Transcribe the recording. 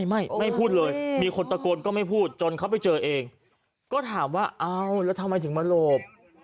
ไม่ไม่พูดเลยมีคนตะโกนก็ไม่พูดจนเขาไปเจอเองก็ถามว่าเอาแล้วทำไมถึงมาหลบ